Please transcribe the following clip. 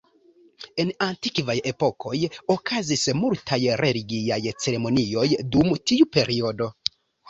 En antikvaj epokoj, okazis multaj religiaj ceremonioj dum tiu periodo.